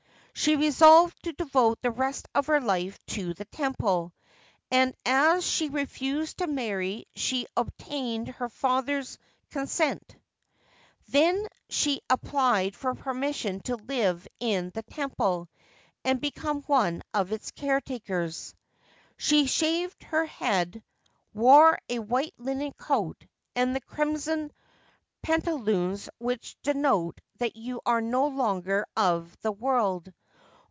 She resolved to devote the rest of her life to the temple, and as she refused to marry she obtained her fathsrls consent. Then she applied for permission to live in the temple arid become one of its caretakers. She shaved her head, wore a white linen coat and the crimson pantaloons which denote that you are no longer of the world.